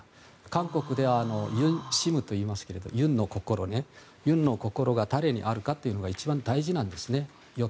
韓国ではユンシムといいますが尹の心が誰にあるかというのが一番大事なんですね。